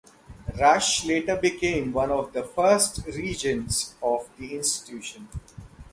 Rush later became one of the first regents of the institution.